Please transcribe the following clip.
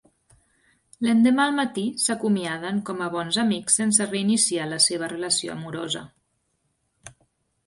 L'endemà al matí, s'acomiaden com a bons amics sense reiniciar la seva relació amorosa.